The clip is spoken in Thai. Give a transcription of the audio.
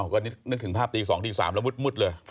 ก็นึกถึงภาพตี๒ตี๓แล้วมืดเลย